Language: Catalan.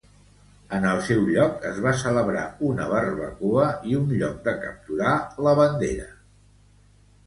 En el seu lloc es va celebrar una barbacoa i un lloc de capturar la bandera.